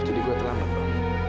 jadi gue terlambat pak